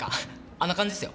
あんな感じっすよ。